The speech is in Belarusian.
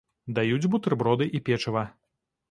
Даюць бутэрброды і печыва.